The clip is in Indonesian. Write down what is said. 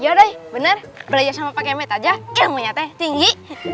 yaudah bener belajar sama pak kemet aja ilmunya teh tinggi